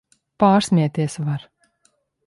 Pārsmieties var!